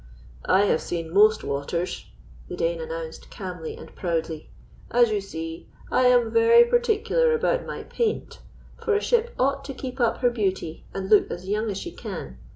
"I have seen most waters," the Dane announced calmly and proudly. "As you see, I am very particular about my paint, for a ship ought to keep up her beauty and look as young as she can.